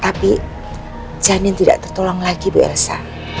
tapi janin tidak tertolong lagi bu elsa